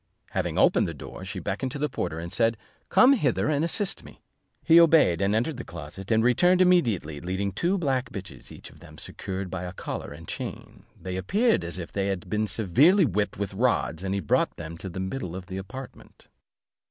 Having opened the door, she beckoned to the porter, and said, "Come hither and assist me." He obeyed, and entered the closet, and returned immediately, leading two black bitches, each of them secured by a collar and chain; they appeared as if they had been severely whipped with rods, and he brought them into the middle of the apartment.